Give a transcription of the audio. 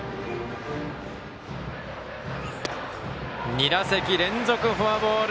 ２打席連続フォアボール。